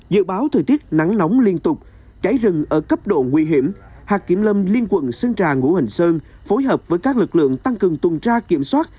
dự báo thời tiết nắng nóng liên tục cháy rừng ở cấp độ nguy hiểm hạt kiểm lâm liên quận sơn trà ngũ hành sơn phối hợp với các lực lượng tăng cường tuần tra kiểm soát